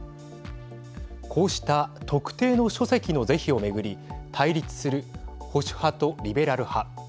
こうした特定の書籍の是非を巡り対立する保守派とリベラル派。